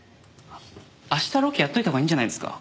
明日ロケやっといたほうがいいんじゃないですか？